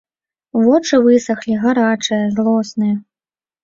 Вочы высахлі, гарачыя, злосныя.